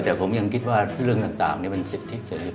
แต่ผมยังคิดว่าเรื่องต่างเป็นสิทธิเสรี